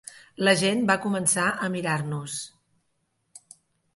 La gent va començar a mirar-nos.